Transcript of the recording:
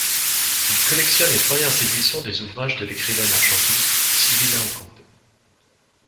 Il collectionne les premières éditions des ouvrages de l'écrivaine argentine Silvina Ocampo.